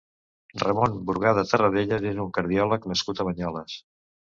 Ramon Brugada Terradellas és un cardiòleg nascut a Banyoles.